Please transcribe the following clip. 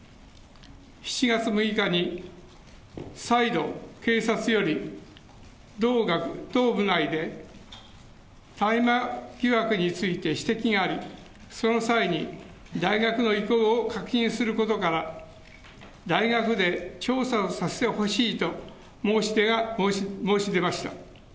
７月６日に再度、警察より同部内で大麻疑惑について指摘があり、その際に大学の意向を確認することから、大学で調査をさせてほしいと申し出ました。